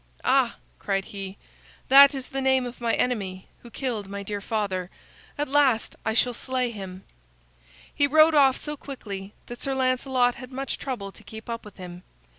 "Ah!" cried he, "that is the name of my enemy, who killed my dear father. At last I shall slay him." He rode off so quickly that Sir Lancelot had much trouble to keep up with him.